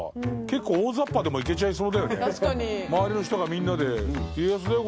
周りの人がみんなで家康だよ